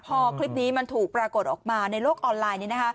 พอคลิปนี้มันถูกปรากฏออกมาในโลกออนไลน์